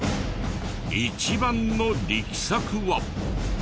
一番の力作は。